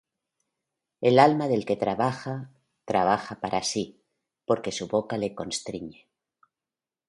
El alma del que trabaja, trabaja para sí; Porque su boca le constriñe.